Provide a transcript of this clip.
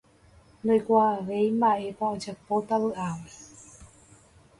ndoikuaavéi mba'épa ojapóta vy'águi.